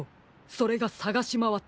それがさがしまわったあとです。